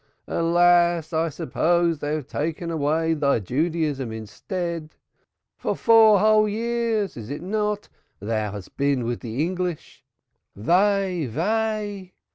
Alas, I suppose they have taken away thy Judaism instead. For four whole years is it not thou hast been with English folk. Woe!